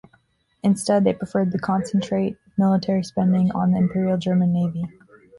Instead, they preferred to concentrate military spending on the Imperial German Navy.